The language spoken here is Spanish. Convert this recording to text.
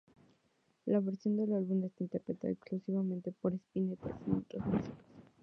La versión del álbum está interpretada exclusivamente por Spinetta, sin otros músicos.